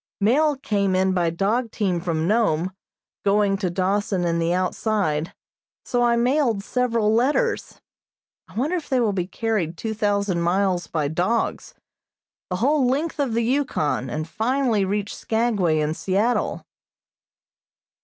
Mail came in by dog team from Nome, going to Dawson and the outside, so I mailed several letters. I wonder if they will be carried two thousand miles by dogs the whole length of the Yukon, and finally reach Skagway and Seattle.